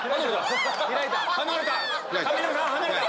離れた！